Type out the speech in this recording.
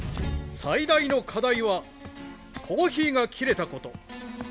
最大の課題はコーヒーが切れたこと。